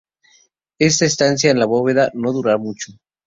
Esta estancia en la bóveda no dura mucho.